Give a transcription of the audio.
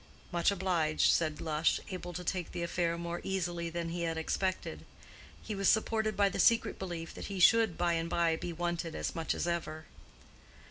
"Much obliged," said Lush, able to take the affair more easily than he had expected. He was supported by the secret belief that he should by and by be wanted as much as ever.